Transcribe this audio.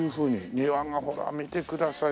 庭がほら見てください